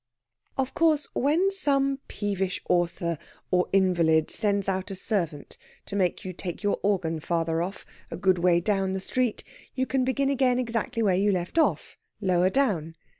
Of course, when some peevish author or invalid sends out a servant to make you take your organ farther off, a good way down the street, you can begin again exactly where you left off, lower down.